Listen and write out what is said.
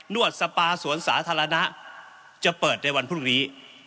วดสปาสวนสาธารณะจะเปิดในวันพรุ่งนี้